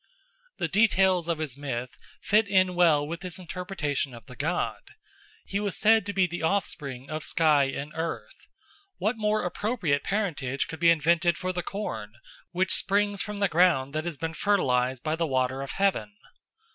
The details of his myth fit in well with this interpretation of the god. He was said to be the offspring of Sky and Earth. What more appropriate parentage could be invented for the corn which springs from the ground that has been fertilised by the water of heaven?